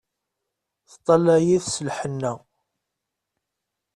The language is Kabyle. Teṭṭalay-it s lhenna.